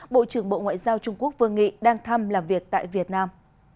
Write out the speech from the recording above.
bộ trưởng bộ ngoại giao trung quốc vương nghị đang thăm làm việc tại việt nam